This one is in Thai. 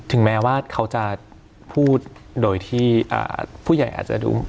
ถึงแม้ว่าเขาจะพูดโดยที่ผู้ใหญ่อาจจะดู